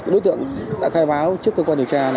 đối tượng đã khai báo trước cơ quan điều tra